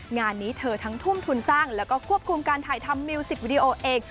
งานนี้เธอทั้งทุ่มทุนสร้างแล้วก็ควบคุมการถ่ายทำมิวสิกวิดีโอเอง